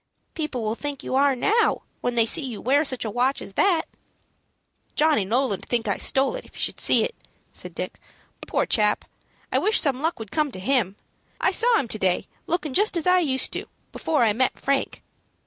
"People will think you are now, when they see you wear such a watch as that." "Johnny Nolan'd think I stole it, if he should see it," said Dick. "Poor chap! I wish some luck would come to him. I saw him to day lookin' just as I used to before I met Frank."